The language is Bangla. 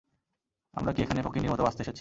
আমরা কি এখানে ফকিন্নির মতো বাঁচতে এসেছি?